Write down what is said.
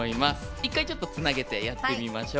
１回ちょっとつなげてやってみましょう